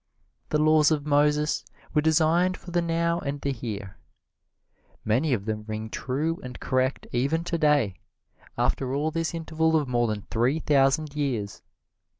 The laws of Moses were designed for the Now and the Here. Many of them ring true and correct even today, after all this interval of more than three thousand years.